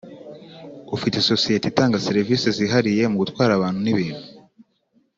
ufite sosiyete itanga serivisi zihariye nko gutwara abantu n’ibintu